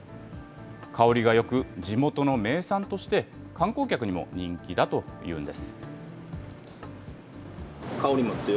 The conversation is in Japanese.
香りがよく、地元の名産として、観光客にも人気だというんです。